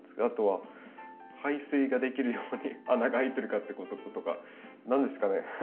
あとは排水ができるように穴が開いてるかってこととか何ですかね？